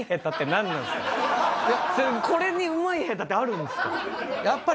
これにうまい下手ってあるんですか？